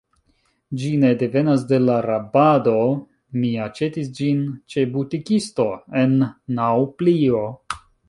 Ĝi ne devenas de la rabado; mi aĉetis ĝin ĉe butikisto, en Naŭplio.